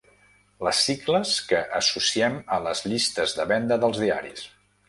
Les sigles que associem a les llistes de venda dels diaris.